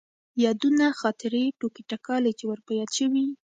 يادونه ،خاطرې، ټوکې تکالې چې ور په ياد شوي.